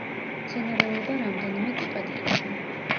მცენარეულობა რამდენიმე ტიპად იყოფა.